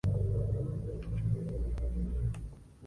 Uriburu se hizo cargo del la situación.